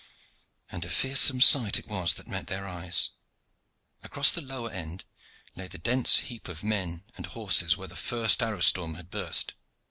And a fearsome sight it was that met their eyes! Across the lower end lay the dense heap of men and horses where the first arrow storm had burst.